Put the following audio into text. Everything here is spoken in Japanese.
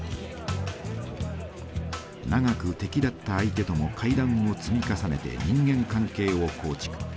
長く敵だった相手とも会談を積み重ねて人間関係を構築。